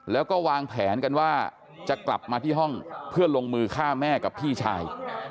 แล้วก็วางแผนกันว่าจะกลับมาที่ห้องเพื่อลงมือฆ่าแม่กับพี่ชาย